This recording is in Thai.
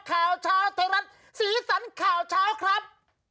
ข่าวเช้าไทยรัฐสีสันข่าวเช้าครับ